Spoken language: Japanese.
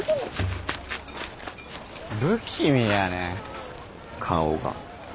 不気味やねん顔が。